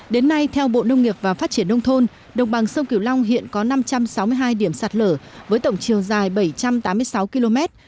đến nay theo bộ nông nghiệp và phát triển nông thôn đồng bằng sông kiều long hiện có năm trăm sáu mươi hai điểm sạt lở với tổng chiều dài bảy trăm tám mươi sáu km